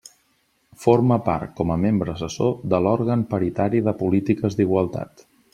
Forma part com a membre assessor de l'Òrgan Paritari de Polítiques d'Igualtat.